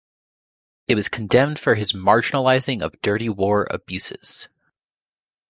It was condemned for his marginalizing of Dirty War abuses.